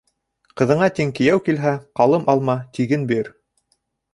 Ҡыҙыңа тиң кейәү килһә, ҡалым алма, тиген бир.